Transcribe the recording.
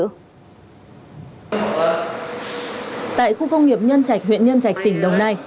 tại khu công nghiệp nhân trạch huyện nhân trạch tỉnh đồng nai